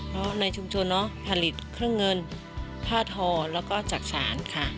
เพราะในชุมชนผลิตเครื่องเงินผ้าทอและจักรสารค่ะ